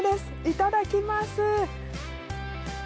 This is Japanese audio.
いただきます！